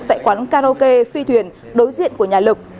tại quán karaoke phi thuyền đối diện của nhà lực